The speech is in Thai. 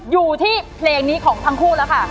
อยู่ที่เพลงนี้ของทั้งคู่แล้วค่ะ